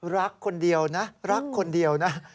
รักคนเดียวนะรักคนเดียวนะ